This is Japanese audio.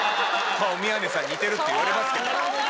顔宮根さんに似てるって言われますけど。